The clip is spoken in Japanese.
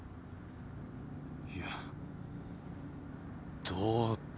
いや「どう」って。